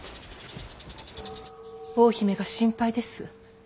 大姫が心配です。